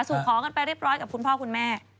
สู่ขอกันไปเรียบร้อยกับคุณพ่อคุณแม่